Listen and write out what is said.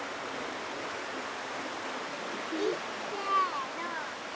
いっせのせ！